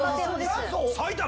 埼玉⁉